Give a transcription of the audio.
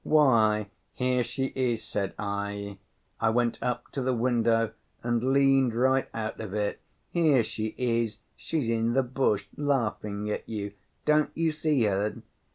'Why, here she is,' said I. I went up to the window and leaned right out of it. 'Here she is; she's in the bush, laughing at you, don't you see her?